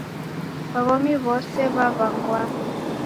Womi wose w'aw'awangwa .